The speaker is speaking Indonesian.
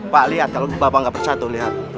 pak lihat kalau bapak gak percaya tuh lihat